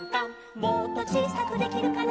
「もっとちいさくできるかな」